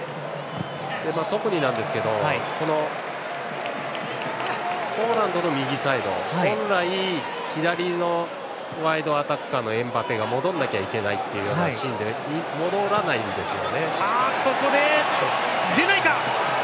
特になんですがポーランドの右サイド本来、左のワイドアタッカーのエムバペが戻らなきゃいけないというシーンで戻らないんですよね。